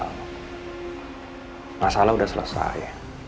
masalah udah selesai